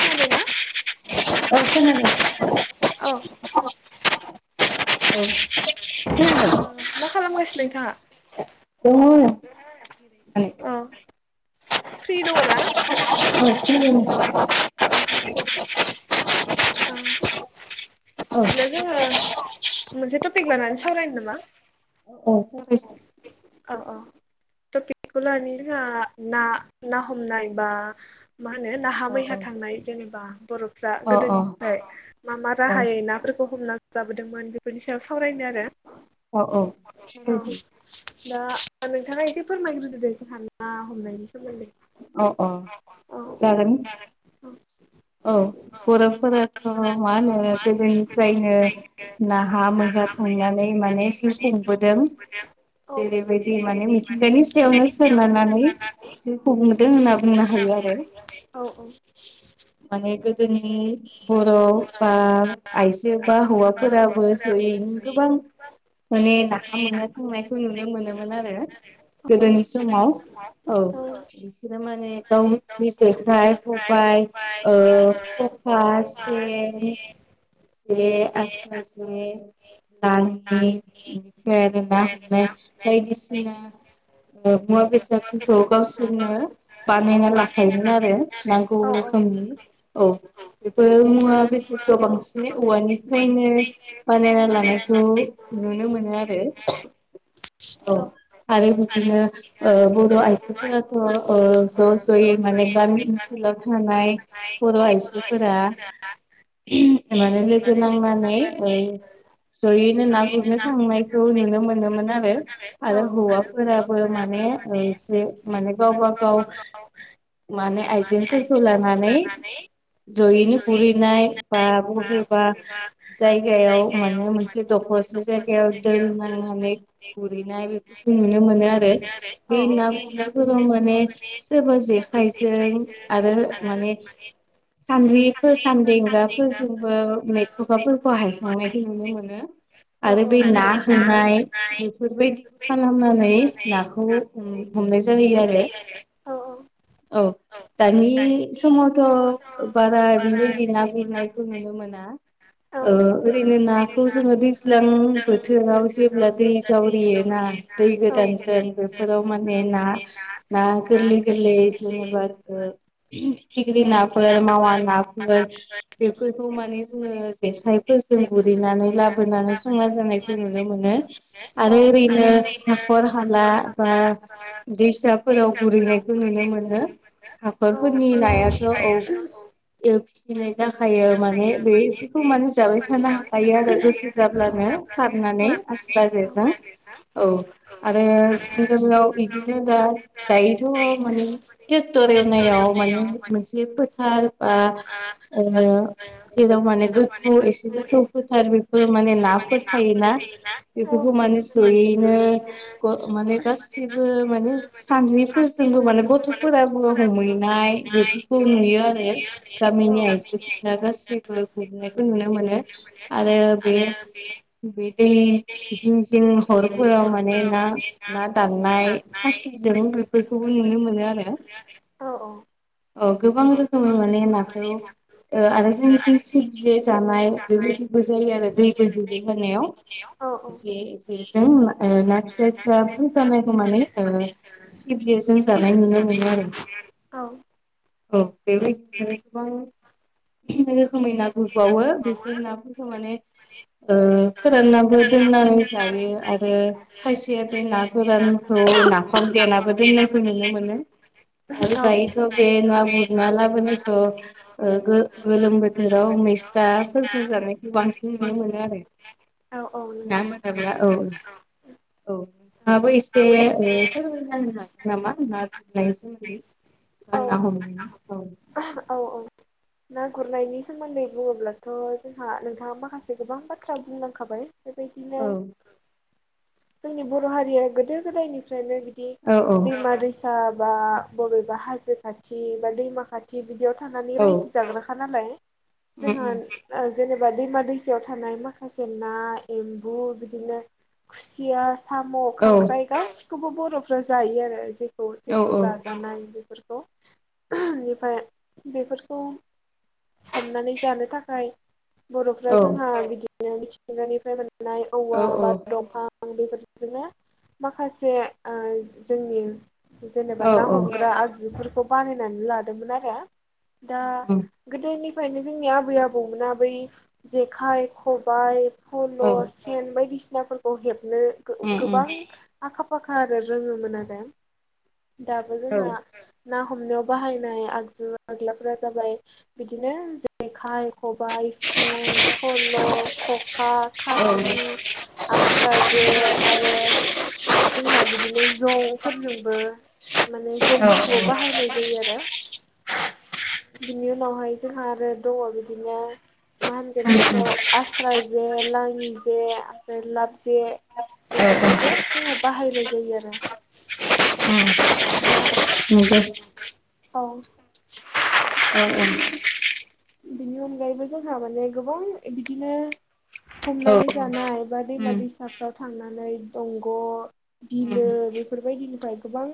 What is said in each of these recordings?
खादोना औ खोनादों औ औ थाङा [unintelligible] फ्रि दङना आरो औ खोनादों अ अ अ बिदिब्ला जोंङो मोनसे टपिक लानानै सावरायनो नामा औ सावरायजायो औ औ टफिखौ लानि जोंहा ना ना हमनाय बा मा होनो नाहा औ मै अ थां थांनाय जेनेबा बर'फोरा औ अ अ गोदोनिफ्रा मा मा औ राहायै ना फोर हमना जाबोदोंमोन बेफोरनि सायाव सावरायनो आरो औ दा नोंथाङा एसे फोरमायग्रोदो दे जोंहा ना हमनायनि सोमोन्दै अ अ औ जागोन औ औ बर'फोराथ' मा होनो गोदोनिफ्रायनो नाहा मैहा थांनानै माने जिउ खुंबोदों औ जेरैबायदि माने मिथिंगानि सायावनो सोनारनानै जिउ खुंदों होनना बुंनो हायो आरो। औ माने गोदोनि बर' बा आइजो बा हौवाफोराबो जयैनो गोबां माने नाहा मोना थांनायखौ नुनो मोनोमोन आरो गोदोनि समाव औ बिसोर माने दाउ जेखाइ खबायाइ ओ फफास जे जे आस्रा जे दलिनि बेनिफ्राय आरो ना हमनाय बायदिसिना ओ मुवा बेसारफोरखौ गावसि जोंनो बानायना लाखायोमोन आरो नांगौ औ रोखोमनि औ बेफोरो मुवा बेसे गोबांसिनै औवानिफ्रायनो बानायना लानायखौ नुनो मोनो आरो। [unintelligible] औ आरो बिदिनो ओ बर आइजो फोराथ' ओ ज जयै माने गामि ओनसोलाव थानाय बर' आइजोफोरा [unintelligible] माने लोगो नांनानै ओ‌ जयैनो ना गुरनो थांनायखौ नुनो मोनोमोन आरो आरो औ औ हौवाफोराबो मान ने ओ जे माने गावब गाव माने आइजेंफोरखौ लानानै जयैनो गुरहैनाय बा बबेबा जायगायाव माने मोनसे दखरसे जायगायाव दोल नाङो माने गुरहैनाय बेफोरखौ नुनो मोनो आरो औ बे ना गुरनाय फोराव माने सोरबा जेखाइजों आरो माने सानद्रिफो सानदेंगाब फोरजोंबो मेथ'खाफोरखौ हायखांनायखौ नुनो मोनो औ आरो औ बै ना होनाय बेफोरबायदिखौ खालामनानै नाखौ हमनाय जायो आरो औ औ औ दानि समावथ' बारा बेबायदि ना गुरनायखौ नुनो मोना ओ ओरैनो नाखौ जोङो दैज्लां बोथोराव जेब्ला दै जावरियो ना दै गोदानजों बेफोराव माने ना ना गोरलै गोरलै जेनेबा ओ फिथिग्रि नाफोरखौ मा मा नाफोर बेफोरखौ माने जोङो जेखायफोरजों गुरैनानै लाबोनानै संना जानायखौ नु नो मोनो औ आरो ओरैनो हाखर हाला बा दैसाफोराव गुरैनायखौ नुनो मोनो हाख'रफोरनि नायाथ' औ ओ जाखायो माने बेफोरखौ माने जाबाय थानो हाखायो आरो गोसो जाब्लानो सारनानै आस्रा जे जों औ आरो जों [unintelligible] दा दायोथ' माने टेक्टर एवनायाव माने मोनसे फोथार बा बा ओ जेराव माने गोथौ एसे गोथौ फोथार बेफोर माने नाफोर थायोना बेफोरखौ माने जयैनो ग माने गासिबो सानद्रिफोरजोंबो माने गथ'फोराबो हमहैनाय बेफोरखौ नुयो आरो गामि [unintelligible] गासैबो गुरनायखौ नुनो मोनो आरो बे बिदि जिं जिं हरफोराव माने ना ना दाननाय खाासिजों बेफोरखौबो नुनो मोनो आरो औ औ अ गोबां रोखोमै माने नाखौ [unintelligible] ओ आरो जोंनिथिं सिब जे जानाय बेबायदिबो जायो आरो दै बोहैैबाय थानायाव जे जेजों ना फिसा फिसा फैफानायखौ माने ओ सिंग्रिजों जानाय नुनो मोनो आरो औ बेबायदियानो गोबां रोखोमै ना गुरबावो बेफोर नाफोरखौ माने ओ फोरानाबो दोननानै जायो आरो खायसेया बे ना गोरान औ नाफाम देनाबो दोननायखौ नुनो मोनो आरो दायोथ' बे ना गुरना लाबोनायखौ ओ गो गोलोम बोथोराव मैस्थाफोरजों जानायखौ बांसिन नुनो मोनो आरो ना नंगौ मोनाब्ला औ औ नोंथाङाबो एसे एसे ओ फोरमायना होनो हागोन नामा ना गुरनायनि सोमोन्दै औ ना हमनायनि औव औ ना गुरनायनि सोमोन्दै बुङोब्लाथ' जोंहा नोंथाङा माखासे गोबां बाथ्रा बुंलांखाबाय बेबायदिनो औ जोंनि बर' हारिया गोदो गोदायनि फ्रायनो बिदि औ औ दैमा दै सा बा बबेबा हाजो खाथि बा दैमा खाथि बिदियाव थानानै औ रायजो जाग्राखा नालाय उम उम जोंहा जेनेबा दैमा दैसायाव थानाय माखासे ना एम्बु बिदिनो खुसिया साम' औ खांख्राइ गासिखौबो बर'फ्रा जायो आरो जेखौ औ जेखौ जाजानाय बेफोर बेनिफ्राय बेफोरखौ हमनानै जानो थाखाय बर'फ्रा जोंहा बिदिनो मिथिंगानिफ्राय मोन नाय औवा औ बा दंफां आं बेफोरजोंनो माखासे ओ जोंनि जेनेबा औ ना औ हमग्रा आगजुफोरखौ बानायनानै लादोंमोन आरो दा उम उम गोदोनि फ्रायनो जोंनि आबै आबौमोना बै जेखाइ खबाइ फल' औ उम सेन बायदिसिनाफोरखौ हेबनो उम गोबां आखा फाखा आरो रोङोमोन आरो दाबो औ जोंहा ना हमनायाव बाहायनाय आगजु आग्लाफोरा जाबाय बिदिनो जेखाइ खबाइ सेन फल' खखा खाखि आस्रा जे बे आरो जोंहा बिदिनो जंफोरजोंबो माने जंफोरखौबो बाहायनाय जायो आरो बिनि उनावहाय जोंहा आरो दङ बिदिनो मा होनगोन बेखौ आस्रा जे लाङि जे ओमफ्राय लाब जे औ बेफोरखौबो जोङो बाहायनाय जायो आरो उम दा नंगौ औ औ औ [inaudible] बिनि अनगायैबो जोंहा माने गोबां बिदिनो हमनानै औ उम जानाय बा दैमा उम दैसाफ्राव थांनानै दंग' बिलो बेफोरबायदिनिफ्राय गोबां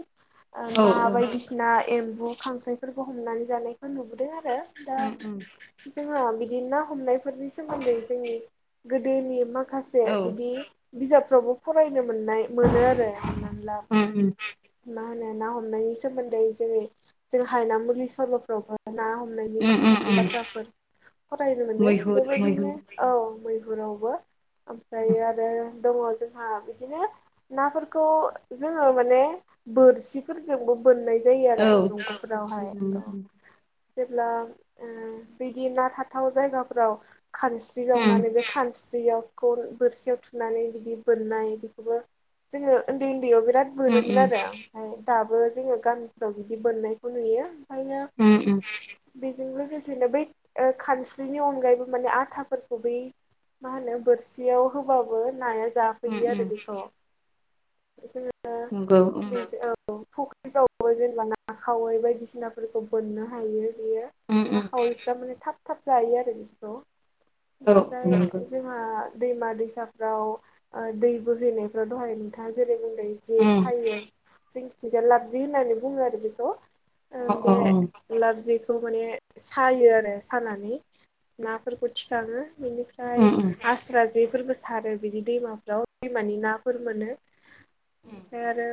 औ ना औ बायदिसिना एम्बु खांख्राइफोरखौ हमनानै जानायखौ नुबोदों आरो दा उम उम औ जोंहा बिदि ना हमनायफोरनि सोमोन्दै जोंनि गोदोनि माखासे बिदि बिजाबफ्रावबो फरायनो मोननाय मोनो आरो हमनानैला उम उम मा होनो ना हमनायनि सोमोन्दै जोङो जों हायना मुलि सल'फ्रावबो ना हमनायनि उम माखासे उम बाथ्रा फोर फरायनो मोनो मैहुर बेबायदिनो मैहुर औ मै फोरावबो ओमफ्राय आरो दङ जोंहा बिदिनो नाफोरखौ जोङो माने बोरसिफोरजोंबो बोननाय जायो आरो औ दंग'फोरावहाय बोरसिजोंबो जेब्ला बिदि ना थाथाव जायगाफ्राव खानस्रि उम जावनानै बे खानस्रि दैयाव खन बोरसियाव थुनानै बिदि बोननाय बेखौबो जोङो उन्दै उन्दै उन्दैयाव बिराद उम मोनोनोमोन उम आरो ओमफ्राय दाबो जोङो गानफ्राव बिदि बोननायखौ नुयो ओंखायनो उ उ बेजों लोगोसेनो बै खानस्रिनि अनगायैबो माने आथाफोरखौ बै मा होनो बोरसियाव होबाबो नाया उम जाफैयो आरो उम बेखौ नंगौ उम फुख्रिफ्रावबो जेनेबा ना खावै बायदिसिनाफोरखौ बोननो हायो बियो उम ना उम खावैफ्रा माने थाब थाब जायो आरो बिखौ औ औ नंगौ बेफ्रायों दैमा दैसाफ्राव दै बोहैनायफ्राव दहाय नोंथा जेरै जे उम सायो जोंखिथिजाया लाबजि होननानै बुङो आरो बेखौ अ औ औ साबजिखौ माने सायो आरो सानानै नाफोरखौ थिखाङो बेनिफ्राय उम आस्रा जेफोरबो सारो बिदि दैमाफ्राव दैमानि नाफोर मोनो उम ओमफ्राय आरो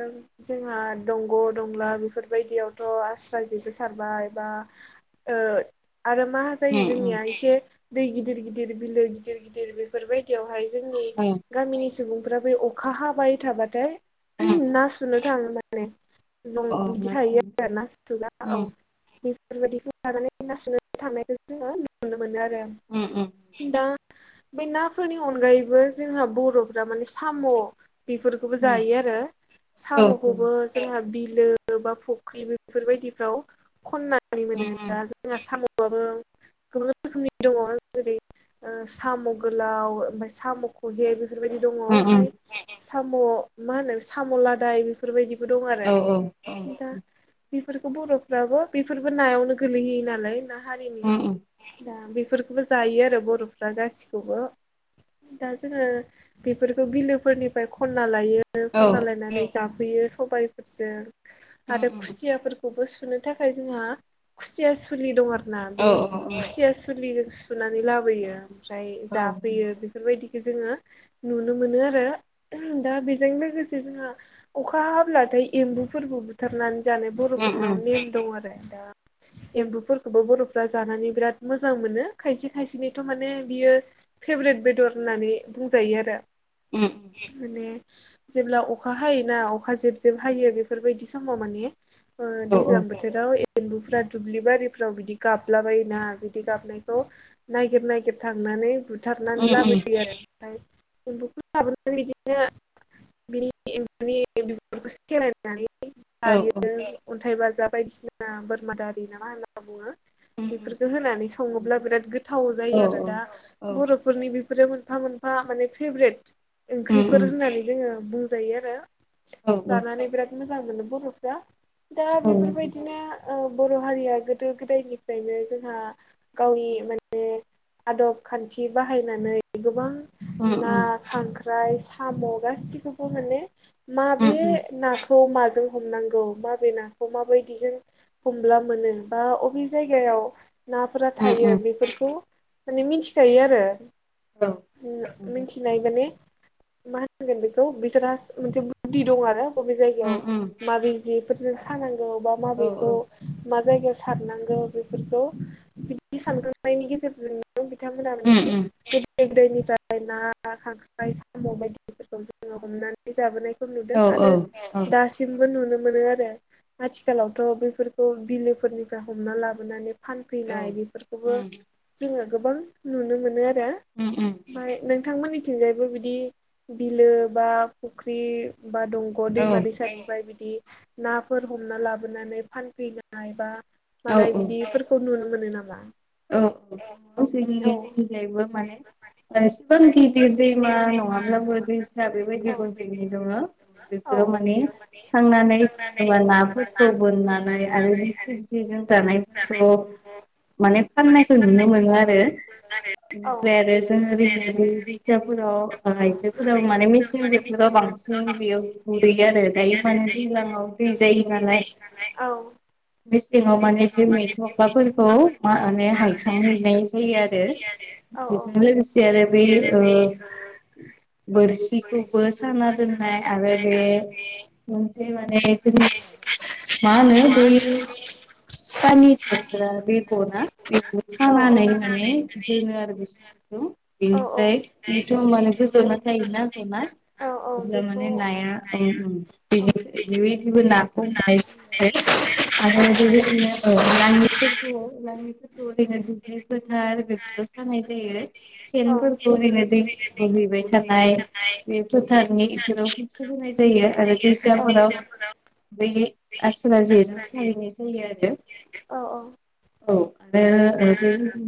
जोंहा दंग' दंला बेफोरबायदियावथ' आस्रा जबो सारबाय बा आरो मा जायो उम उम जोंनिया एसे दै गिदिर गिदिर बिलो गिदिर गिदिर बेफोरबायदियावहाय जोंनि औ गामिनि सुबुं ओमफ्राय बै अखा हाबाय थाबाथाय उम ना सुनो थाङो माने जों अ अ बिदि ना थायो सं आरो आरो ना सुआ औ उम बेफोरबायदिखौ लानानै लासैनानै थांनायखौ जोङो नुुनो मोनो आरो उम उम दा बे नाफोरनि अनगायैबो जोंहा बर'फ्रा माने साम' बेफोरखौबो उम जायो आरो औ उम साम'खौबो जोंहा बिो बा फ्रि बेफोरबायदिफ्राव खनानै मोनो उम जों स ब गोबां रोखोमनि दङ जेरै साम' गोलाव ओमफफ्राय साम' खहे बे बेफोरबायदि दङ उम उम ओमफ्राय साम' मा होनो साम' लादाय बेफोरबायदि बो दं औ औ उम आरो दा बेफोरखौ बर'फ्राबो बेफोरबो नायावनो गोलैहैयो नालाय ना हारिनि उम उम दा बे बेफोरखौबो जायो आरो बर'फ्रा गासिखौबो दा जोङो बेफोरखौ बिलोफोरनिफ्राय खननानै औ खनानै जाफैयो सजों उम आरो उम खुसिया खौबो सुनो थाखाय जोंहा खुसिया सुलि दं आरोोना बे औ औ औ खुसिया सुलिजों सुनानै लाबोयो ओमफ्राय औ जाफैयो बेफोरबायदि जोङो नुनो मोनो आरो दा बेजों लोगोसे जोंहा अखा हाब्लाथ' ओम एम्बुफोरबो बुथारनानै जानाय उम बर'फोरनाव नेम दं आरो एम्बुफोरखौबो बर'फ्रा जानानै बिराद मोजां मोनो खायसे खायसेनिथ' माने बियो भेट बेदर होननानै बुंजायो आरो उम माने जेब्ला अखा हायोना अखा जेब जेब हायो बेफोरबायदि समाव माने औ दैज्लां बोथोराव एन्बुफ्रा दुब्लि बारिफ्राव बिदि गाबलाबायायोना बिदि गाबनायखौ ननायागिर ननायागिर थांनो नानै बुथारनानै उम उम लाबोयो आरो ओमफ्राय एम्फुखौ लाबोनानै बिदिनो बिाने बिब'फोरखौ सेलायनानै औ औ जायो अन्थाइ बाजा बायदिसिना बोरमाादारि नामा होनना बुङो उम उम बेफोरखौ होनानै सङोब्ला बिराद गोथाव औ जायो आरो दा औ उम औ बर'फोरनि बे बेफोरो मोनफा मोनफा माने फेभ्रेट ओंख्रिफोर नंगौ होननानै जोङो बुंजायो आरो उम जानानै बिराद मोजां मोनो बर'फ्रा दा बेफोरबायदिनो बर' हारिया गोदो गोदायनिफ्रायनो जोंहा गावनि माने। आदब खान्थि बाहायनानै गोबां उम ना उम खांख्राइ साम' गासिखौबो माने माबे उम ना थ माजों हमनांगौ मा बबे नाखौ माबायदि जों हमब्ला मोनो बा अबे जायगायाव नाफोरा थायो उम बेफोरखौ माने मिथिखायो आरो औ नंगौ मिथिनाय माने मा होनगोन बेखौ बिसोरहा मोनसे बुदि दं आरो बबे जायगायाव उम उम माबि जि [unintelligible] सानांगौ बा औ माबेखौ मा जायगा सारनांगौ बेफोरखौ बिदि सानखांनायनि गेजेरजों बिथांमोना उम माने उम [unintelligible] दैनिफ्राय ना खांख्राइ साम' बायदिफोरखौ जोङो हमनानै जाबोनाय फोर नुदों औ औ आरो औ औ दासिमबो नुनो मोनो आर रो आथिखालावथ' बेफोरखौ बिलोफोरनिफ्राय हमना लाबोनानै फानफैनाय बेफोरखौबो उम जोङो गोबां नुनो मोनो आ रो उम उम ओमफ्राय नंगौ नोंथांमोननि थिंजायबो बिदि बिलो बा फुख्रि बा दंग' दैमा दैसा निफाय बि दि नाफोर हमना लाबोनानै फानफैनाय एबा औ औ मानाय औ बिदिफोरखौ नुनो मोनो नामा? औ [unintelligible] जोनि‌ औ दिग्लायबो माने एसेबां गिदिर दैमा नङाब्लाबो दैसा बेबायदि औ बोहैनाय दङ। औ बेफोराव माने थांनानै जोङो नाफोरखौ बोननानै आरो बे सिबजिजों [unintelligible] नायखौ माने फाननायखौ नुनो मोनो आरो। औ बेनिफ्राय आरो जों ओरैनो बे दैसाफोराव आइजोफोरा माने मेसें बोथोराव बांसिन बेयाव गुरैयो आरो दायो माने दैज्लांआव दै जायो नालाय। मेसेंआव माने बे मेथ'खाफोरखौ मा ने हायखां हैैनाय जायो आरो बेजों लोगोसे आरो बे ओ बोरसिखौबो साना दोननाय आरो बे से माने [unintelligible] मा होनो बै सानि भद्रा बेगना बिखुं सानानै माने दोनो आरो गुसुंखौ औ बेनिफ्राय बेथ' माने गोजोना थायोना गना औ बेखौ जारमाने नाया ओम ओम औ बेबायदिबो नाखौ हमनाय [inaudible] औ आरो बेबायदिनो ओ नानिफोरखौ औ नानिफो ओरैनो दुब्लि फोथार बेफोराव सानाय जायो औ सेनफोरखौ ओरैनो दै दुब्लि ब्रै थारनाय बे फोथारनि इफोराव [unintelligible] जायो आरो [unintelligible] बै आसरा जेजों सारहैनाय जायो आरो। औ औ औ आरो ओ नंगौ बेबायदि